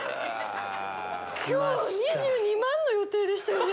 今日２２万の予定でしたよね？